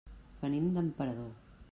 Venim d'Emperador.